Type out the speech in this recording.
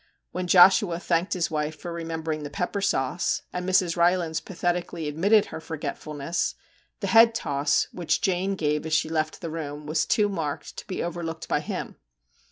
When Joshua thanked his wife for remembering the pepper sauce, and Mrs. Rylands pathetically admitted her forgetfulness, the head toss which Jane gave as she left the room was too marked to be overlooked by him.